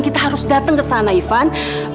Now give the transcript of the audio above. kita harus dateng kesana ivan